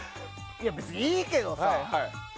別にいいけどさ。